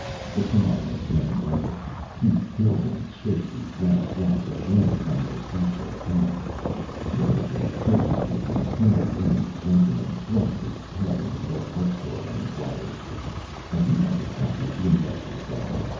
The sky has grown lighter. The buildings shake the last drops of rain from their spatula tops. There is a different looking, well linened gentleman thrusts his head into the old book store and inquires, "Have you a copy of 'The Investors' Guide'?"